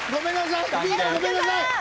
リーダーごめんなさい！